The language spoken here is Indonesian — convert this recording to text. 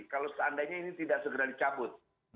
kalau seandainya ini tidak segera dicabut